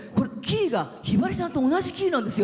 ひばりさんと同じキーなんですよ。